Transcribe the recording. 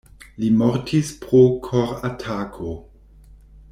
Li mortis pro koratako.